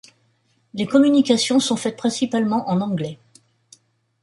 Les communications sont faites principalement en anglais.